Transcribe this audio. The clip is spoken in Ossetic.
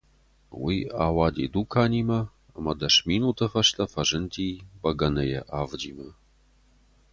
Уый ауади дуканимӕ ӕмӕ дӕс минуты фӕстӕ фӕзынди бӕгӕныйы авджимӕ.